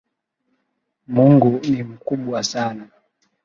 Mungu ni mkubwa Sana.